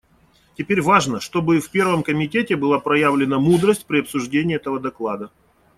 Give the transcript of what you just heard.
Теперь важно, чтобы и в Первом комитете была проявлена мудрость при обсуждении этого доклада.